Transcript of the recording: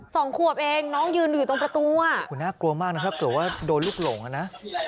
สองขวบเองน้องยืนอยู่ตรงประตูอ่ะโอ้โหน่ากลัวมากนะครับถ้าเกิดว่าโดนลูกหลงอ่ะนะ